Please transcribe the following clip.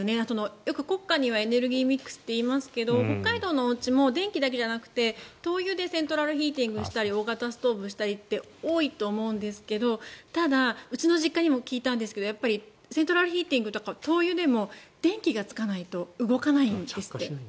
よく国家にはエネルギーミックスといいますが北海道のおうちも電気だけじゃなくて灯油でセントラルヒーティングしたり大型ストーブしたりって多いと思うんですけどただ、うちの実家にも聞いたんですがセントラルヒーティングとか灯油でも電気がつかないと動かないんですって。